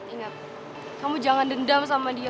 ingat kamu jangan dendam sama dia